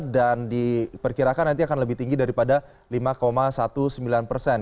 dan diperkirakan nanti akan lebih tinggi daripada lima sembilan belas persen